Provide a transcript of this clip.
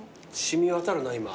染み渡るな今。